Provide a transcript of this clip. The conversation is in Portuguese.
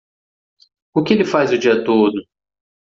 O que ele faz o dia todo?